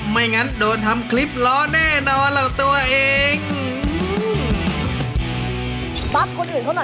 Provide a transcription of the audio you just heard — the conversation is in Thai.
ไม่งั้นโดนทำคลิปร้อแน่นอนเหล่าตัวเอง